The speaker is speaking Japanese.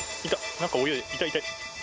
なんか泳いでる、いたいたいた。